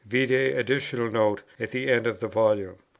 Vide Additional Note at the end of the volume.